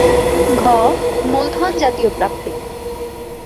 ঘ. মূলধনজাতীয় প্রাপ্তি